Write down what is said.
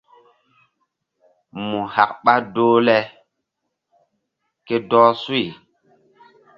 Mu hak ɓa doh le ke dɔh suy.